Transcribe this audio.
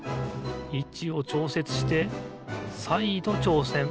いちをちょうせつしてさいどちょうせん。